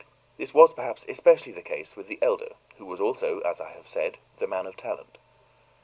This was, perhaps, especially the case with the elder, who was also, as I have said, the man of talent.